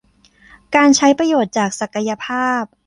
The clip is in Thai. การใช้ประโยชน์จากศักยภาพ